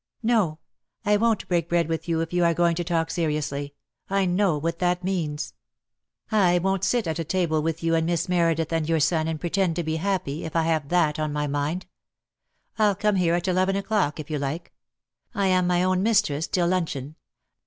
"No, I won't break bread with you if you are going to talk seriously. I know what that means. 170 DEAD LOVE HAS CHAINS. I won't sit at table with you and Miss Meredith and your son, and pretend to be happy, if I have that on my mind. I'll come here at eleven o'clock, if you like. I am my own mistress till luncheon.